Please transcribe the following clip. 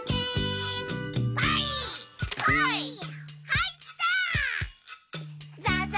はいったー！